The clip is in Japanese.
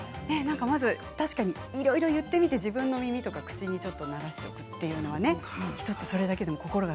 確かにいろいろ言ってみて自分の耳とか口に慣らしておくというのはちょっとそれだけでも心が。